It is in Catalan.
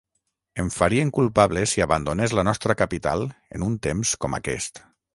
Em farien culpable si abandonés la nostra capital en un temps com aquest.